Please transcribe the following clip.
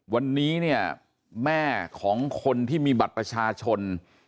วันนี้เนี่ยแม่ของคนที่มีบัตรประชาชน